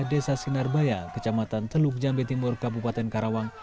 desa sinarbaya kecamatan teluk jambe timur kabupaten karawang